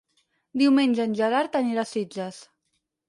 Diumenge en Gerard anirà a Sitges.